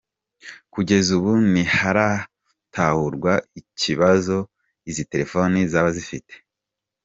Kugeza ubu, ntiharatahurwa ikibazo izi telefoni zaba zifite.